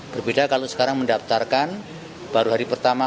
berbeda kalau sekarang mendaftarkan baru hari pertama